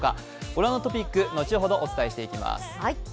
ご覧のトピック後ほどお伝えしていきます。